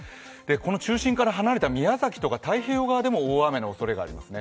この中心から離れた宮崎とか太平洋側でも大雨のおそれがありますね。